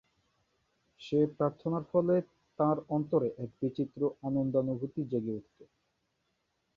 সে প্রার্থনার ফলে তাঁর অন্তরে এক বিচিত্র আনন্দানুভূতি জেগে উঠত।